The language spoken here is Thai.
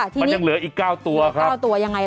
มันยังเหลืออีก๙ตัวครับ